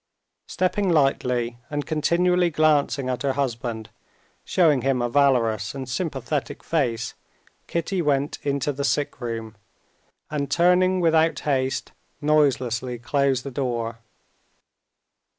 Stepping lightly, and continually glancing at her husband, showing him a valorous and sympathetic face, Kitty went into the sick room, and, turning without haste, noiselessly closed the door.